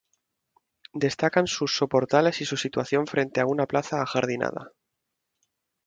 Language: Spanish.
Destacan sus soportales y su situación frente a una plaza ajardinada.